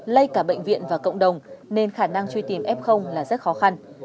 lây cả bệnh viện và cộng đồng nên khả năng truy tìm f là rất khó khăn